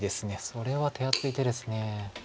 それは手厚い手です。